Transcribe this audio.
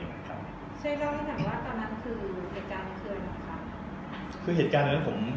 ช่วยเล่าให้ถามว่าตอนนั้นคือเหตุการณ์เฮลล์หรือเปล่าครับ